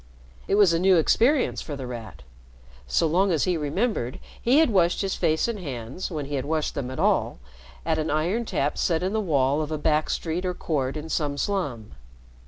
It was a new experience for The Rat. So long as he remembered, he had washed his face and hands when he had washed them at all at an iron tap set in the wall of a back street or court in some slum.